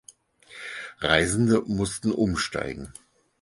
Reisende mussten umsteigen.